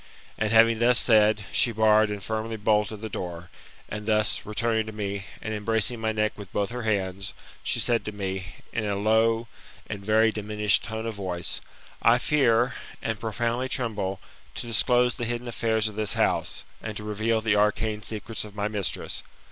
And, having thus said, she barred and firmly bolted the door, and thus, returning to me, and embracing my neck with both her hands, she said to me, in a low and very diminished tone of voice, " I fear, and profoundly tremble, to disclose the hidden affairs of this house, and to reveal the arcane secrets of my mistress.